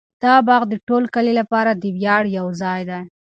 دا باغ د ټول کلي لپاره د ویاړ یو ځای دی.